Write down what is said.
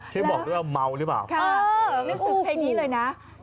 คือบอกด้วยว่าเมาหรือเปล่าค่ะรู้สึกแบบนี้เลยนะ